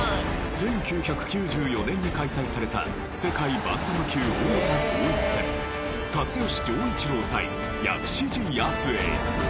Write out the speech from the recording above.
１９９４年に開催された世界バンタム級王座統一戦辰一郎対薬師寺保栄。